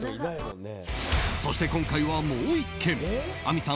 そして、今回はもう１軒亜美さん